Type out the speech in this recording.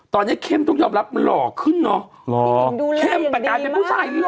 ตอนนี้เข้มต้องยอมรับหรอกขึ้นน่ะ